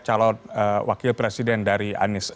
calon wakil presiden dari anies